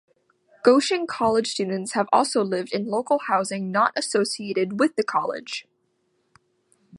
Goshen College students have also lived in local housing not associated with the college.